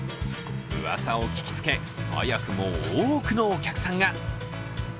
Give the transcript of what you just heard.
うわさを聞きつけ、早くも多くのお客さんが。